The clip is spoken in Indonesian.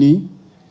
di sana tadi